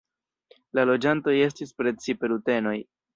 La loĝantoj estis precipe rutenoj.